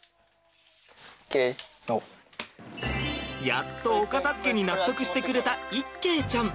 やっとお片づけに納得してくれた一慶ちゃん。